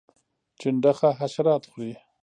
چنډخه حشرات خوري